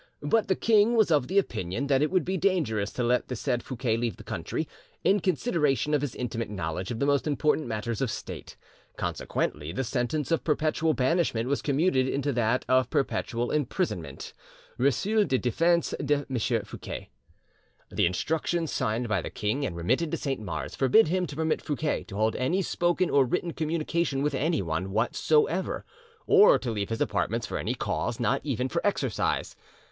"But the king was of the opinion that it would be dangerous to let the said Fouquet leave the country, in consideration of his intimate knowledge of the most important matters of state. Consequently the sentence of perpetual banishment was commuted into that of perpetual imprisonment." ('Receuil des defenses de M. Fouquet'). The instructions signed by the king and remitted to Saint Mars forbid him to permit Fouquet to hold any spoken or written communication with anyone whatsoever, or to leave his apartments for any cause, not even for exercise.